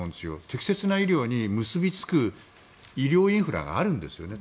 適切な医療に結びつく医療インフラがあるんですよね。